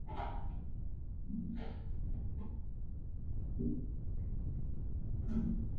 La fuerza de una reina depende de su alimentación regular de sangre humana.